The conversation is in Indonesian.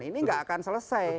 ini nggak akan selesai